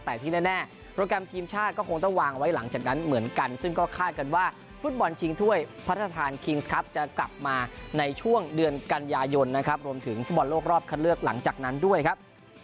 แต่ที่แน่โปรแกรมทีมชาติก็คงต้องวางไว้หลังจากนั้นเหมือนกันซึ่งก็คาดกันว่าฟุตบอลชิงถ้วยพระราชทานคิงส์ครับจะกลับมาในช่วงเดือนกันยายนนะครับรวมถึงฟุตบอลโลกรอบคัดเลือกหลังจากนั้นด้วยครับ